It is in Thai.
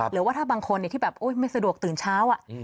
หรือว่าถ้าบางคนที่แบบไม่สะดวกตื่นเช้า